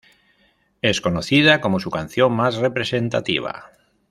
Es conocida como su canción más representativa.